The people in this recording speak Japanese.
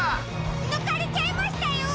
ぬかれちゃいましたよ！